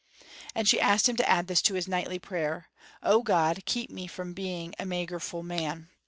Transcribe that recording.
And she asked him to add this to his nightly prayer: "O God, keep me from being a magerful man!"